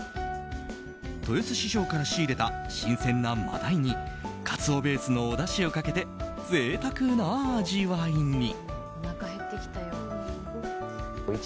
豊洲市場から仕入れた新鮮なマダイにカツオベースのおだしをかけてぜいたくな味わいに。